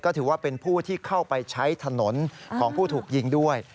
ถือว่าเป็นผู้ที่เข้าไปใช้ถนนของผู้ถูกยิงด้วย